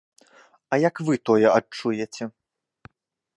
А як вы тое адчуеце?